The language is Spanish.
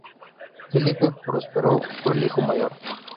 Felipe Próspero fue el hijo mayor.